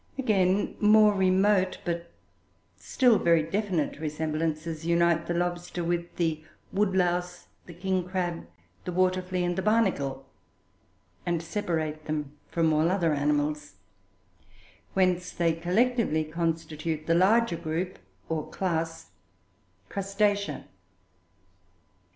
Again, more remote, but still very definite, resemblances unite the lobster with the woodlouse, the king crab, the water flea, and the barnacle, and separate them from all other animals; whence they collectively constitute the larger group, or class, Crustacea.